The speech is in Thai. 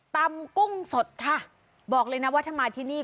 กุ้งสดค่ะบอกเลยนะว่าถ้ามาที่นี่